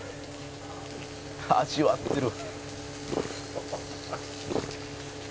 「味わってる」